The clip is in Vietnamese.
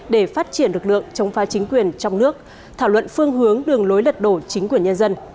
để phát triển lực lượng chống phá chính quyền trong nước thảo luận phương hướng đường lối lật đổ chính quyền nhân dân